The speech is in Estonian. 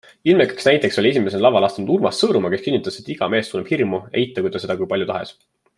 Ilmekaks näiteks oli esimesena lavale astunud Urmas Sõõrumaa, kes kinnitas, et iga mees tunneb hirmu, eitagu ta seda kui palju tahes.